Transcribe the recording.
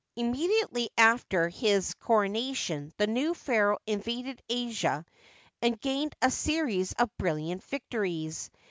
Immediately after his coronation the new pharaoh invaded Asia and gained a series of brilliant victories.